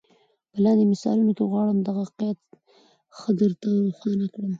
په لاندي مثالونو کي غواړم دغه قید ښه در ته روښان کړم.